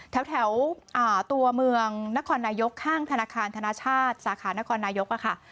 แถวตัวเมืองนครนายกข้างธนาคารธนชาติสาขานครนายกค่ะ